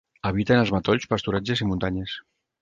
Habita en els matolls, pasturatges i muntanyes.